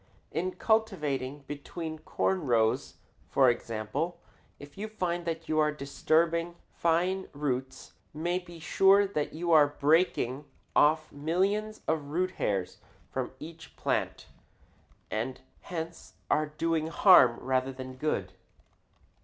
In cultivating between corn rows, for example, if you find that you are disturbing fine roots, you may be sure that you are breaking off millions of root hairs from each plant and hence are doing harm rather than good.